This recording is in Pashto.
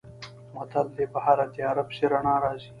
متل دی: په هره تیاره پسې رڼا راځي.